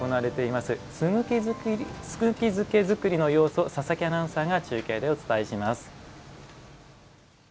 すぐき漬け作りの様子を佐々木アナウンサーが中継でお伝えします。